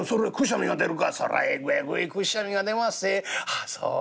「ああそう。